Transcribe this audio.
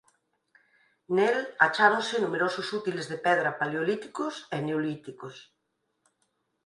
Nel acháronse numerosos útiles de pedra paleolíticos e neolíticos.